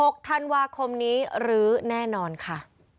ควรเธอนาคมนี้รึแน่นอนค่ะ